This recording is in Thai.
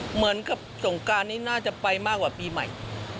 เหมือนกับสงการนี้น่าจะไปมากกว่าปีใหม่